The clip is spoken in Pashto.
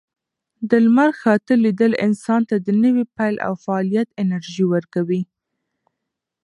د لمر خاته لیدل انسان ته د نوي پیل او فعالیت انرژي ورکوي.